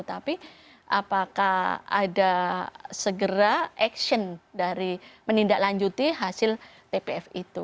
tapi apakah ada segera action dari menindaklanjuti hasil tpf itu